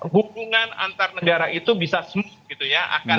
hubungan antar negara itu bisa smooth gitu ya